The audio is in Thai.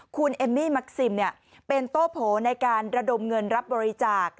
คุณเอมมี่มักซิมเป็นโต้โผในการระดมเงินรับบริจาค